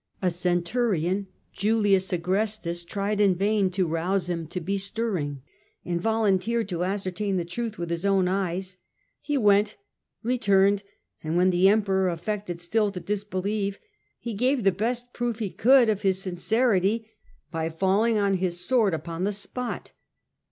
A centurion, Julius Agrestis, tried in vain to rouse him to be stirring, and volunteered to ascertain the truth with his own eyes. He went, returned, and when the Emperor affected still to disbelieve, he gave the best proof he could of his sincerity by falling on his sword upon the spot.